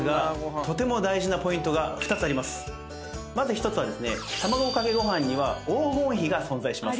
まず１つはたまごかけごはんには黄金比が存在します。